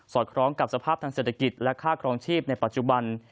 คล้องกับสภาพทางเศรษฐกิจและค่าครองชีพในปัจจุบัน